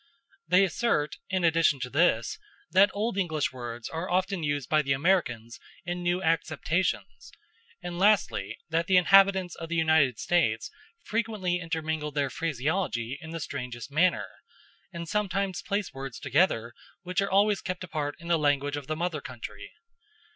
They assert, in addition to this, that old English words are often used by the Americans in new acceptations; and lastly, that the inhabitants of the United States frequently intermingle their phraseology in the strangest manner, and sometimes place words together which are always kept apart in the language of the mother country.